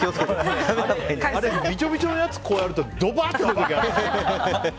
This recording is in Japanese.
あれ、びちょびちょのやつやるとドバーッとなる時あるから。